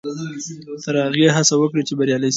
تر هغې هڅه وکړئ چې بریالي شئ.